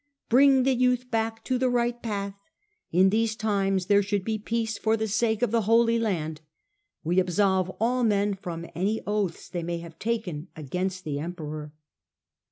Bring the youth back to the right path : in these times there should be peace for the sake of the Holy Land. We absolve all men from any oaths they may have taken against the Emperor."